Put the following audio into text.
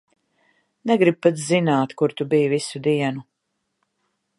Negribu pat zināt, kur tu biji visu dienu.